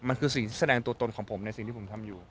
มันคือสิ่งที่แสดงตัวตนของผมในสิ่งที่ผมทำอยู่